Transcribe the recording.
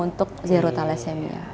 untuk zero thalassemia